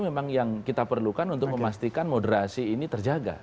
memang yang kita perlukan untuk memastikan moderasi ini terjaga